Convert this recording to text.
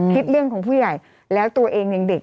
เรื่องของผู้ใหญ่แล้วตัวเองยังเด็ก